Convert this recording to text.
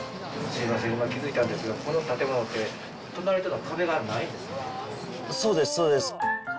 すみません、今気付いたんですが、この建物って、隣との壁がないんですね。